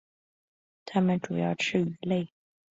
它们主要吃鱼类。